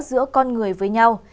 giữa con người với nhau